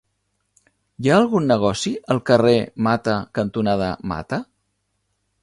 Hi ha algun negoci al carrer Mata cantonada Mata?